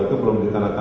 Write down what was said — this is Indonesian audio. itu belum dikandalkan